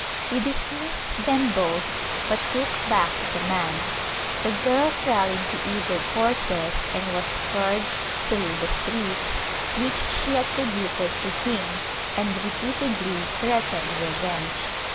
He dismissed them both, but took back the man; the girl fell into evil courses and was scourged through the streets, which she attributed to him and repeatedly threatened revenge.